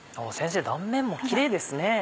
先生断面もキレイですね。